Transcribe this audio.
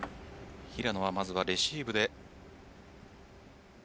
平野は、まずはレシーブで。